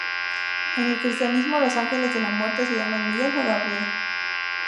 En el cristianismo los ángeles de la muerte se llaman Miguel o Gabriel.